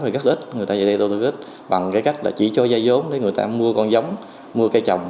người ta gắt ít người ta về đây gắt ít bằng cái cách chỉ cho dây giống để người ta mua con giống mua cây trồng